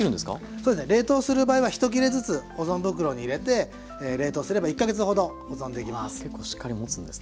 そうですね。冷凍する場合は１切れずつ保存袋に入れて冷凍すれば１か月ほど保存できます。